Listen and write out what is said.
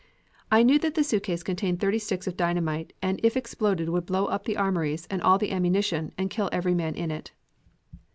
I knew that the suitcase contained thirty sticks of dynamite and if exploded would blow up the Armories and all the ammunition and kill every man in it.